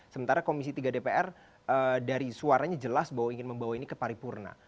sementara komisi tiga dpr dari suaranya jelas bahwa ingin membawa ini ke paripurna